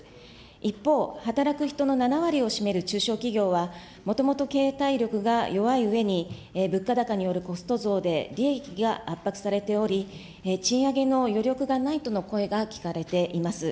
一方、働く人の７割を占める中小企業は、もともと経営体力が弱いうえに、物価高によるコスト増で利益が圧迫されており、賃上げの余力がないとの声が聞かれています。